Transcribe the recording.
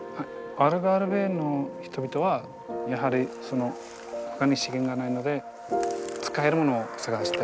アルガルヴェの人々はやはりほかに資源がないので使えるものを探して。